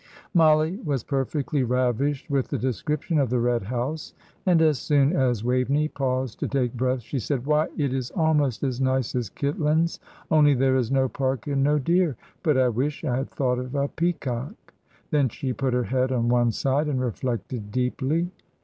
Mollie was perfectly ravished with the description of the Red House, and as soon as Waveney paused to take breath, she said, "Why, it is almost as nice as Kitlands, only there is no park and no deer. But I wish I had thought of a peacock." Then she put her head on one side and reflected deeply.